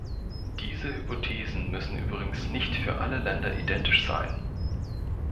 Diese Hypothesen müssen übrigens nicht für alle Länder identisch sein.